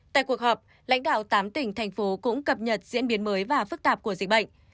tại cuộc họp lãnh đạo tám tỉnh thành phố cũng cập nhật diễn biến mới và phức tạp của dịch bệnh